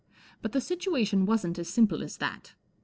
But the situation wasn't as simple as that.